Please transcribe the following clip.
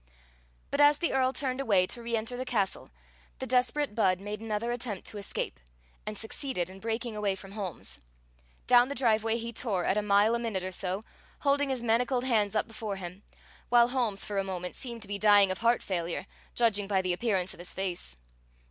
But as the Earl turned away to reënter the castle, the desperate Budd made another attempt to escape, and succeeded in breaking away from Holmes. Down the driveway he tore at a mile a minute or so, holding his manacled hands up before him, while Holmes for a moment seemed to be dying of heart failure, judging by the appearance of his face.